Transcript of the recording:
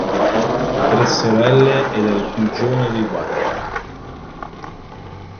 Ha tre sorelle ed è il più giovane dei quattro.